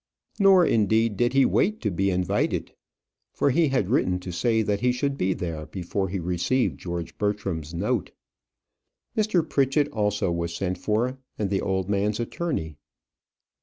Nor, indeed, did he wait to be invited; for he had written to say that he should be there before he received George Bertram's note. Mr. Pritchett also was sent for, and the old man's attorney.